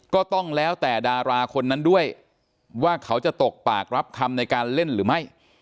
ก็แล้วแต่ดาราคนนั้นด้วยว่าเขาจะตกปากรับคำในการเล่นหรือไม่